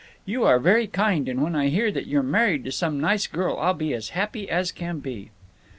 You are very kind, and when I hear that you're married to some nice girl I'll be as happy as can be."